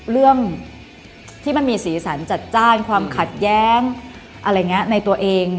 เรื่องที่มันมีสีสันจัดจ้านความขัดแย้งอะไรอย่างนี้ในตัวเอง